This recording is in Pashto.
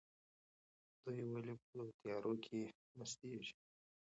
دوی ولې په تیارو کې مستیږي؟